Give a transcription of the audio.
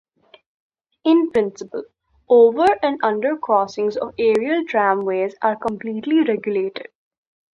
In principle, over- and undercrossings of aerial tramways are completely regulated.